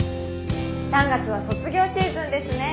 ３月は卒業シーズンですね。